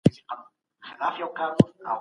ښه فکر کول مو د ژوند د پرمختګ لپاره اړین دی.